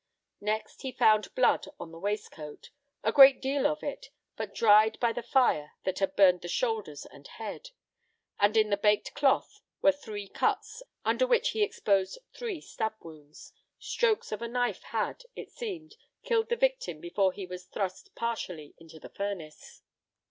Next, he found blood on the waistcoat, a great deal of it, but dried by the fire that had burned the shoulders and head; and in the baked cloth were three cuts, under which he exposed three stab wounds. Strokes of a knife had, it seemed, killed the victim before he was thrust partially into the furnace.